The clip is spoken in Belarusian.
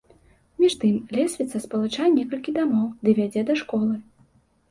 Між тым, лесвіца спалучае некалькі дамоў ды вядзе да школы.